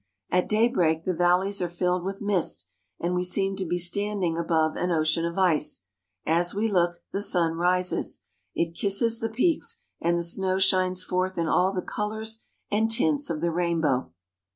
At daybreak the valleys are filled with mist, and we seem to be standing above an ocean of ice. As we look, the sun rises. It kisses the peaks, and the snow shines forth in all the colors and tints of the rainbow.